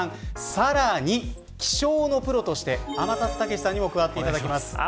さらに気象のプロとして天達武史さんにも加わっていただきます。